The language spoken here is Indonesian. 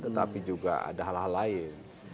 tetapi juga ada hal hal lain